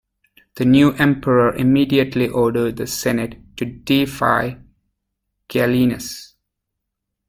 The new Emperor immediately ordered the senate to deify Gallienus.